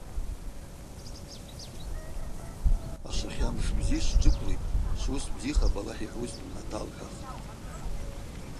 Ашвахьа мшбзи швджвыквлитӏ, швуыс бзихапӏ Алахӏ йхӏвузтын, – аталхӏвахтӏ.